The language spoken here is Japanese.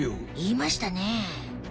いいましたね。